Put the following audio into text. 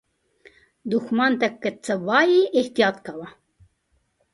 دښمن ته که څه ووایې، احتیاط کوه